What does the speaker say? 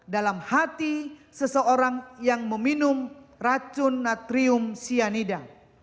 dalam hati seseorang yang meminum racun natrium cyanida